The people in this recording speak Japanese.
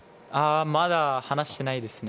まだ話してないですね。